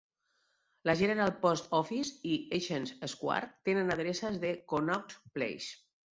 La General Post Office i Exchange Square tenen adreces de Connaught Place.